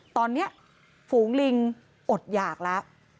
ตอนนี้ฝูงลิงอดหยากแล้ว